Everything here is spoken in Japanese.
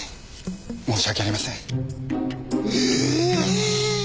申し訳ありません。え！